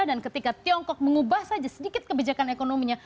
dan ketika tiongkok mengubah saja sedikit kebijakan ekonominya